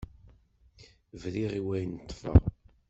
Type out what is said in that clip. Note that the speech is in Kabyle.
Briɣ i wayen i ṭṭfeɣ.